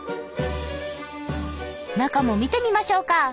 中も見てみましょうか！